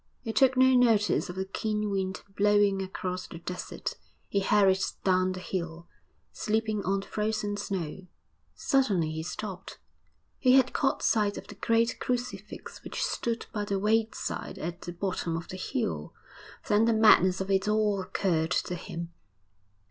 He took no notice of the keen wind blowing across the desert; he hurried down the hill, slipping on the frozen snow.... Suddenly he stopped; he had caught sight of the great crucifix which stood by the wayside at the bottom of the hill. Then the madness of it all occurred to him.